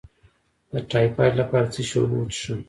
د ټایفایډ لپاره د څه شي اوبه وڅښم؟